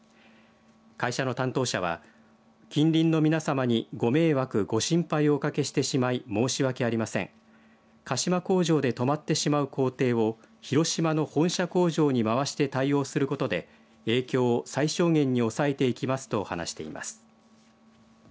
会社の担当者は近隣の皆さまにご迷惑、ご心配をおかけしてしまい申し訳ありません鹿島工場で止まってしまう工程を広島の本社工場に回して対応することで影響を最小限に抑えていきますと話しています。